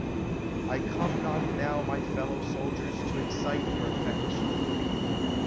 I COME not now, my fellow soldiers, to excite your affection for me.